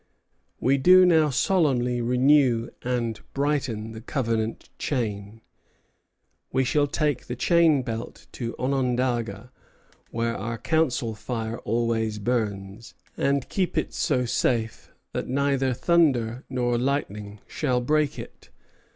"We do now solemnly renew and brighten the covenant chain. We shall take the chain belt to Onondaga, where our council fire always burns, and keep it so safe that neither thunder nor lightning shall break it."